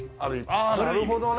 ああなるほどね。